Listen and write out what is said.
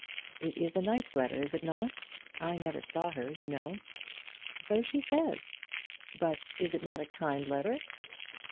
"It is a nice letter, is it not? I never saw her you know." "So she says." "But is it not a kind letter?"